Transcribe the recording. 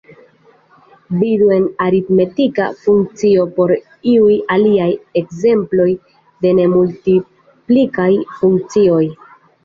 Vidu en aritmetika funkcio por iuj aliaj ekzemploj de ne-multiplikaj funkcioj.